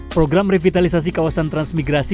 program revitalisasi kawasan transmigrasi